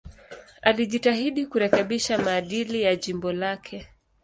Alijitahidi kurekebisha maadili ya jimbo lake.